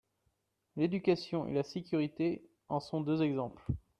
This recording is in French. L’éducation et la sécurité en sont deux exemples.